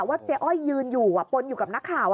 เจ๊อ้อยยืนอยู่ปนอยู่กับนักข่าว